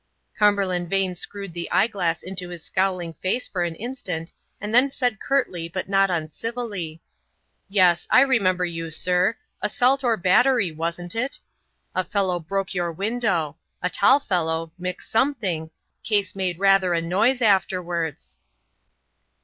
Cumberland Vane screwed the eye glass into his scowling face for an instant, and then said curtly but not uncivilly: "Yes, I remember you, sir; assault or battery, wasn't it? a fellow broke your window. A tall fellow McSomething case made rather a noise afterwards."